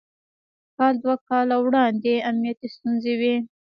کال دوه کاله وړاندې امنيتي ستونزې وې.